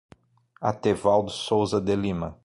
Atevaldo Souza de Lima